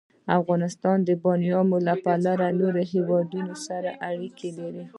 افغانستان د بامیان له پلوه له نورو هېوادونو سره اړیکې لري.